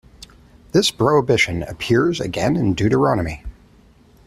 This prohibition appears again in Deuteronomy.